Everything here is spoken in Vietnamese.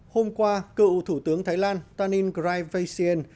hôm qua cựu thủ tướng thái lan tanin grai vaisien